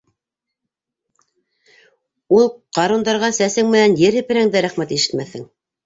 Ул ҡарундарға сәсең менән ер һеперһәң дә, рәхмәт ишетмәҫһең.